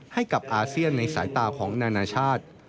ให้กับอาเซียนในสายตาของนานาชาติ